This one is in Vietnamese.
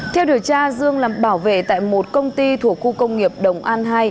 theo điều tra dương làm bảo vệ tại một công ty thuộc khu công nghiệp đồng an hai